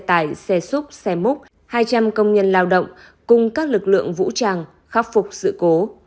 xe tải xe xúc xe múc hai trăm linh công nhân lao động cùng các lực lượng vũ trang khắc phục sự cố